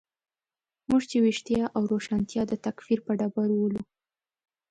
موږ چې ویښتیا او روښانتیا د تکفیر په ډبرو ولو.